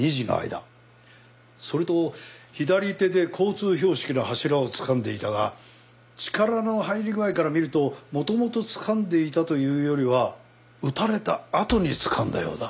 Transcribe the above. それと左手で交通標識の柱をつかんでいたが力の入り具合から見ると元々つかんでいたというよりは撃たれたあとにつかんだようだ。